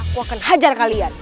aku akan hajar kalian